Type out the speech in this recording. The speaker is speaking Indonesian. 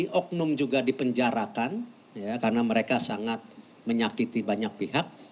jadi oknum juga dipenjarakan karena mereka sangat menyakiti banyak pihak